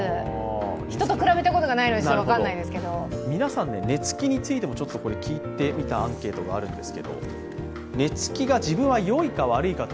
人と比べたことがないので分からないですけど皆さん、寝つきについても聞いてみたアンケートがあります。